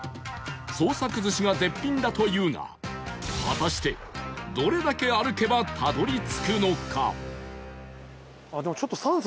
創作寿司が絶品だというが果たしてどれだけ歩けばたどり着くのか？